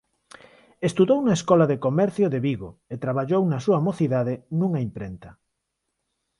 Estudou na Escola de Comercio de Vigo e traballou na súa mocidade nunha imprenta.